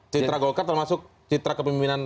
citra golkar termasuk citra kepemimpinan